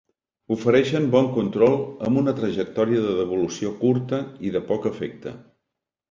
Ofereixen bon control amb una trajectòria de devolució curta i de poc efecte.